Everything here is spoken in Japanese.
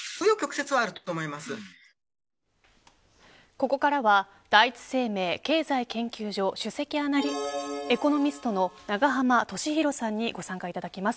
ここからは、第一生命経済研究所首席エコノミストの永濱利廣さんにご参加いただきます。